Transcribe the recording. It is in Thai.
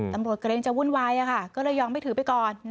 เกรงจะวุ่นวายก็เลยยอมไม่ถือไปก่อน